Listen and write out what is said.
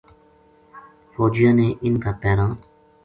فوجیاں نے اِنھ کا پیراں